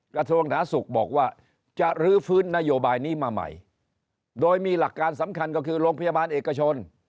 กระทรวงหนาสุขบอกว่าจะรื้อฟื้นนโยบายนี้มาใหม่โดยมีหลักการสำคัญก็คือโรงพยาบาลเอกชน